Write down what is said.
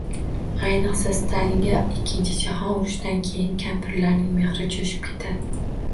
Ayniqsa, Stalinga ikkinchi jahon urushidan keyin kampirlarning mehri jo’shib ketadi.